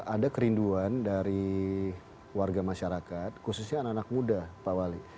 ada kerinduan dari warga masyarakat khususnya anak anak muda pak wali